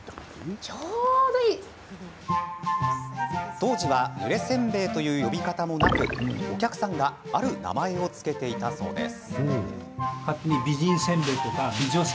当時は、ぬれせんべいという呼び方もなく、お客さんがある名前を付けていたそうです。